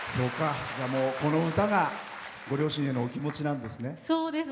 この歌がご両親への気持ちなんですね。